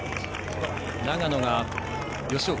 長野が吉岡。